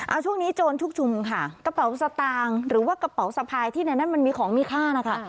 เอาช่วงนี้โจรชุกชุมค่ะกระเป๋าสตางค์หรือว่ากระเป๋าสะพายที่ในนั้นมันมีของมีค่านะคะ